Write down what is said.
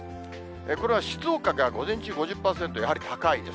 これは静岡が午前中５０％、やはり高いです。